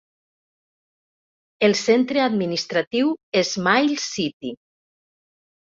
El centre administratiu es Miles City.